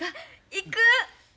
行く！